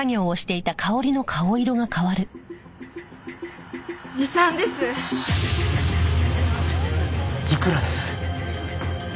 いくらです？